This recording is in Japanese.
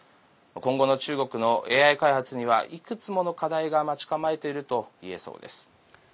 今後の中国のＡＩ開発にはいくつもの課題が待ち構えているといえそうです。